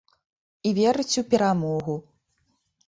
І верыць у перамогу.